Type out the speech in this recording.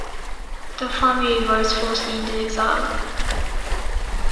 The family was forced into exile.